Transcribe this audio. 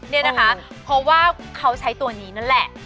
เนี่ยนะคะเพราะว่าเขาใช้ตัวนี้นั่นแหละ